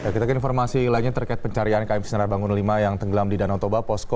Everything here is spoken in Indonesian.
kita ke informasi lainnya terkait pencarian km sinar bangun v yang tenggelam di danau toba posko